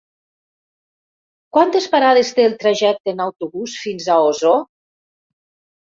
Quantes parades té el trajecte en autobús fins a Osor?